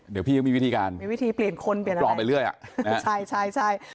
เดี๋ยวพี่มีวิธีการปลอมไปเรื่อย